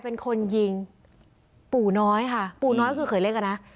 ประตู๓ครับ